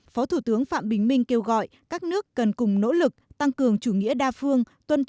phó thủ tướng phạm bình minh kêu gọi các nước cần cùng nỗ lực tăng cường chủ nghĩa đa phương